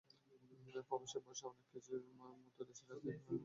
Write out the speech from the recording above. প্রবাসে বসে অনেক কিছুর মতো দেশের রাজনৈতিক হানাহানি, অস্থিরতা বড্ড পীড়া দেয়।